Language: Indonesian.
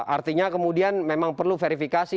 artinya kemudian memang perlu verifikasi